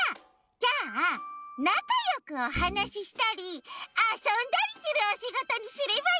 じゃあなかよくおはなししたりあそんだりするおしごとにすればいいんだ！